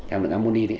hàm lượng ammoni đấy